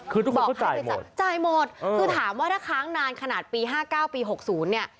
คือทุกคนจ่ายหมดคือถามว่าถ้าค้างนานขนาดปี๕๙ปี๖๐เนี่ย